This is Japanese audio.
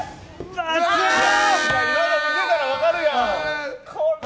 今の見てたら分かるやん！